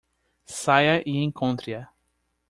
Saia e encontre-a!